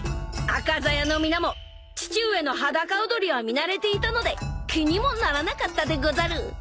［赤鞘の皆も父上の裸踊りは見慣れていたので気にもならなかったでござる］